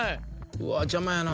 うわ邪魔やな。